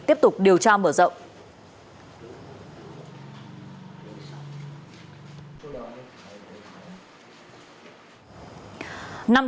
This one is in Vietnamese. tiếp tục điều tra mở rộng